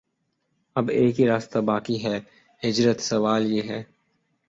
اب ایک ہی راستہ باقی ہے: ہجرت سوال یہ ہے